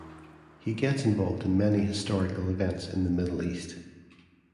He gets involved in many historical events in the Middle East.